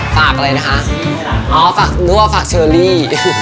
ฝากอะไรนะคะอ๋อฝากนั่วฝากเชอรี่